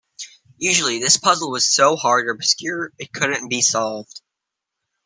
Usually, this puzzle was so hard or obscure, it couldn't be solved.